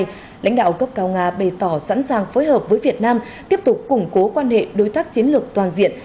trong các thư và điện mừng lãnh đạo cấp cao nga bày tỏ sẵn sàng phối hợp với việt nam tiếp tục củng cố quan hệ đối tác chiến lược toàn diện